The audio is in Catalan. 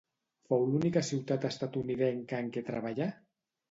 Fou l'única ciutat estatunidenca en què treballà?